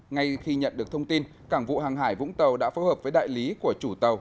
ngay khi nhận được thông tin cảng vụ hàng hải vũng tàu đã phối hợp với đại lý của chủ tàu